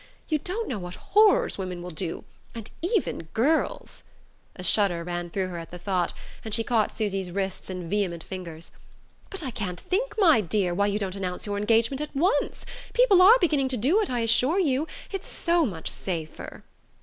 You don't know what horrors women will do and even girls!" A shudder ran through her at the thought, and she caught Susy's wrists in vehement fingers. "But I can't think, my dear, why you don't announce your engagement at once. People are beginning to do it, I assure you it's so much safer!"